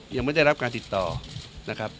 ยังไม่ได้รับการติดต่อนะครับ